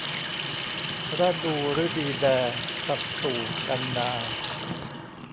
ระดูฤดีแด สัตว์สู่ กันนา